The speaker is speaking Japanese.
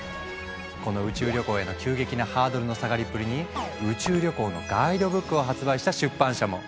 この宇宙旅行への急激なハードルの下がりっぷりに宇宙旅行のガイドブックを発売した出版社も！